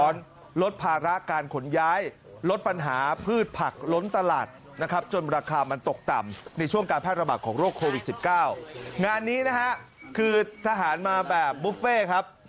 งานนี้นะฮะคือทหารมาแบบบุฟเฟ่ครับ